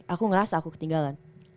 aku ngerasa aku ketinggalan